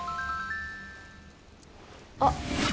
あっ。